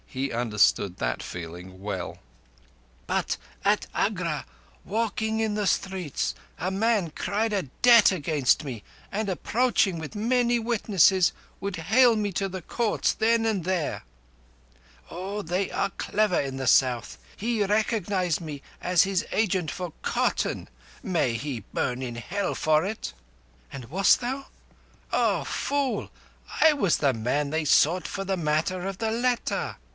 He understood that feeling well. "But at Agra, walking in the streets, a man cried a debt against me, and approaching with many witnesses, would hale me to the courts then and there. Oh, they are clever in the South! He recognized me as his agent for cotton. May he burn in Hell for it!" "And wast thou?" "O fool! I was the man they sought for the matter of the letter!